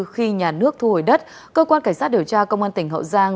khi nhà nước thu hồi đất cơ quan cảnh sát điều tra công an tỉnh hậu giang